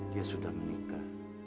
dia sudah menikah